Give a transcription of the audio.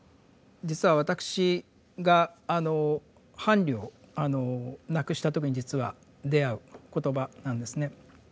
実は私が伴侶を亡くした時に実は出会う言葉なんですね。